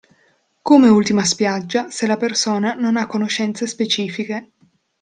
Come ultima spiaggia se la persona non ha conoscenze specifiche.